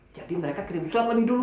jadi mereka kirim surat lagi dulu